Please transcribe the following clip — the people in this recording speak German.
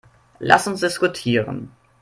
Lass uns diskutieren.